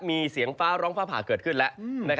มีเสียงฟ้าร้องฟ้าผ่าเกิดขึ้นแล้ว